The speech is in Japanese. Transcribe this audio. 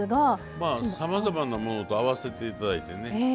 さまざまなものと合わせていただいてね